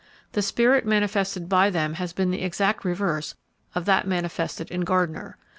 The spirit manifested by them has been the exact reverse of that manifested in Gardiner.